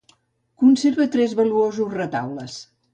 Conserva tres valuosos retaules.